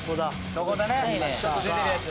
そこだねちょっと出てるやつ。